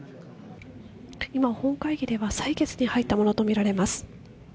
今、本会議では採決に入ったものとみられます。